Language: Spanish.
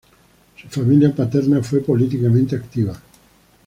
Su familia paterna fue políticamente activa.